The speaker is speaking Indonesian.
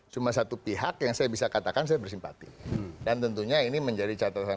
cuma satu pihak yang saya bisa katakan saya bersimpati dan tentunya ini menjadi catatan